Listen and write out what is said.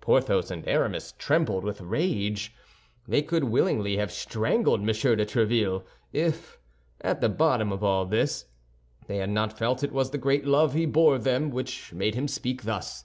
Porthos and Aramis trembled with rage. They could willingly have strangled M. de Tréville, if, at the bottom of all this, they had not felt it was the great love he bore them which made him speak thus.